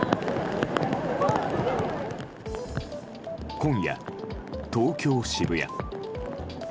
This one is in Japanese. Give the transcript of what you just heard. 今夜、東京・渋谷。